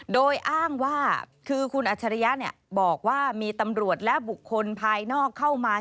โดยอ้างว่าคือคุณอัจฉริยะบอกว่ามีตำรวจและบุคคลภายนอกเข้ามา